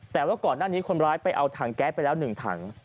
แต่ว่าก่อนหน้านี้คนร้ายไปเอาถังแก๊สไปแล้ว๑ถัง